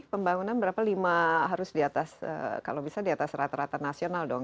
pembangunan berapa lima harus diatas kalau bisa diatas rata rata nasional dong